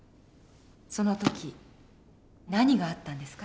その時何があったんですか？